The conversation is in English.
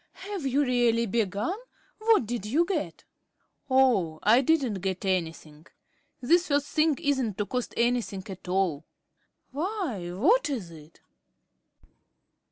"Have you really begun? What did you get?" "Oh, I didn't get anything. This first thing isn't to cost anything at all." "Why, what is it?"